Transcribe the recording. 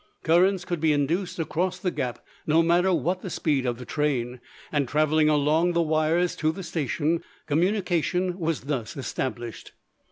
Currents could be induced across the gap, no matter what the speed of the train, and, traveling along the wires to the station, communication was thus established.